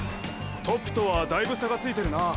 トップとはだいぶ差がついてるな。